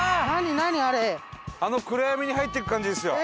あの暗闇に入っていく感じですよ。